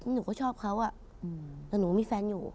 หนูก็ชอบเขาแต่หนูมีแฟนอยู่